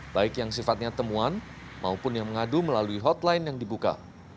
baik yang sifatnya temuan maupun yang mengadu melalui hotline yang dibuka